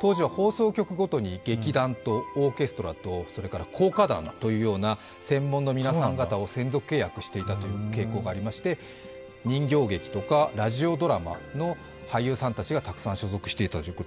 当時は放送局ごとに劇団とオーケストラと効果団というような専門の皆さん方を専属契約していたという傾向がありまして、人形劇とかラジオドラマの俳優さんたちがたくさん所属していたということで。